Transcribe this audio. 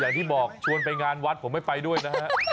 อย่างที่บอกชวนไปงานวัดผมไม่ไปด้วยนะฮะ